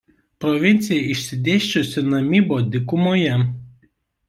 Provincija išsidėsčiusi Namibo dykumoje.